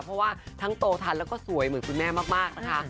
เพราะว่าทั้งโตทันแล้วก็สวยเหมือนคุณแม่มากนะคะ